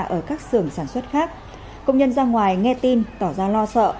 ở các xưởng sản xuất khác công nhân ra ngoài nghe tin tỏ ra lo sợ